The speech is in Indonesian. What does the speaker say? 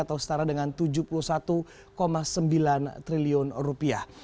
atau setara dengan tujuh puluh satu sembilan triliun rupiah